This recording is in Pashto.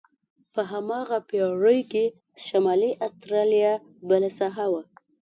په هماغه پېړۍ کې شمالي استرالیا بله ساحه وه.